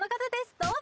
どうぞ。